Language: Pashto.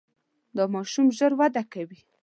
دا ماشوم ژر وده کوي.